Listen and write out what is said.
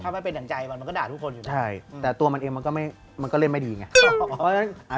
มันก็ด่าทุกคนใช่แต่ตัวมันเองมันก็ไม่มันก็เล่นไม่ดีไงเพราะฉะนั้นอ่า